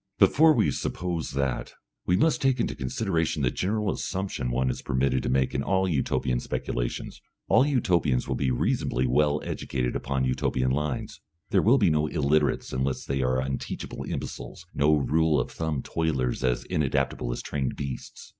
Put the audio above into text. Before we suppose that, we must take into consideration the general assumption one is permitted to make in all Utopian speculations. All Utopians will be reasonably well educated upon Utopian lines; there will be no illiterates unless they are unteachable imbeciles, no rule of thumb toilers as inadaptable as trained beasts.